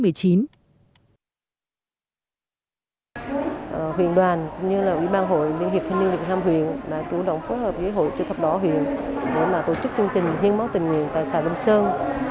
huyện đoàn cũng như là ủy ban hội liên hiệp thanh niên việt nam huyện đã chủ động phối hợp với hội chữ thập đỏ huyện để tổ chức chương trình hiến máu tình nguyện tại xã đông sơn